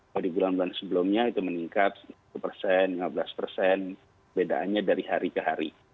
kalau di bulan bulan sebelumnya itu meningkat sepuluh persen lima belas persen bedaannya dari hari ke hari